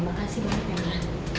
makasih banget adriana